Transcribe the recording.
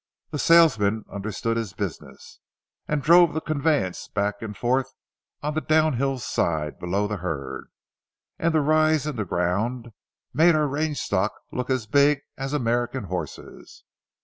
The salesman understood his business, and drove the conveyance back and forth on the down hill side, below the herd, and the rise in the ground made our range stock look as big as American horses.